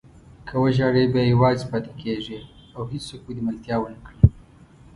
که وژاړې بیا یوازې پاتې کېږې او هېڅوک به دې ملتیا ونه کړي.